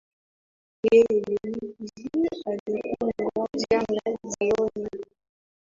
Yeye ni mwizi. Alipigwa jana jioni.